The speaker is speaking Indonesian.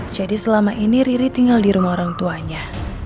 jadi selama ini riri tinggal di rumah orang tuanya